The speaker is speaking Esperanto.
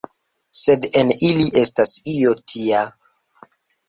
Sed en ili estas io tia!